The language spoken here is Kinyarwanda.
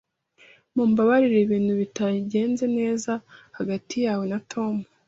Mumbabarire ibintu bitagenze neza hagati yawe na Tom.